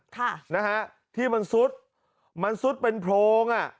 ค่ะนะฮะที่มันซุดมันซุดเป็นโพรงอ่ะ